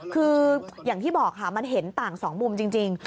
คืออย่างที่บอกค่ะมันเห็นต่างสองมุมจริง